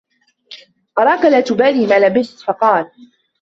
أَرَاك لَا تُبَالِي مَا لَبِسْت ؟ فَقَالَ